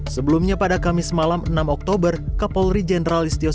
sebelumnya pada kamis malam enam oktober